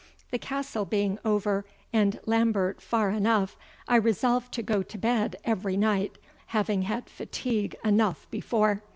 The castle being over, and Lambert farre enough, I resolved to goe to bed everie night, haveing had fatigue enough before.